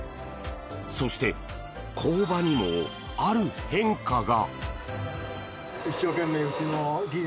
そして工場にも、ある変化が。